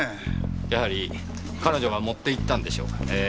やはり彼女が持って行ったんでしょうかねえ。